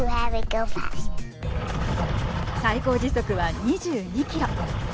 最高時速は２２キロ。